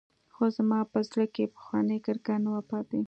خو زما په زړه کښې پخوانۍ کرکه نه وه پاته.